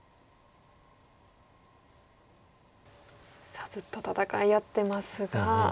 さあずっと戦い合ってますが。